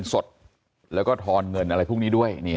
เหมือนสดแล้วก็ทอนเหมือนอะไรพวกนี้ด้วย